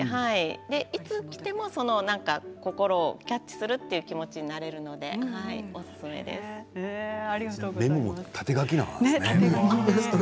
いつきても心をキャッチするという気持ちになるのでメモも縦書きなんですね。